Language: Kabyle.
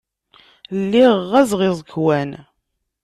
Lliɣ ɣɣazeɣ iẓekwan.